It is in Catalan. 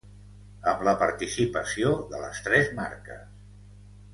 Amb la participació de les tres marques.